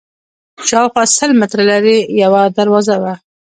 شاوخوا سل متره لرې یوه دروازه وه.